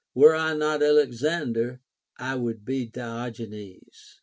Were I not Alex ander, I would be Diogenes.